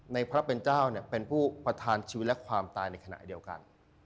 พระเป็นเจ้าเป็นผู้ประทานชีวิตและความตายในขณะเดียวกัน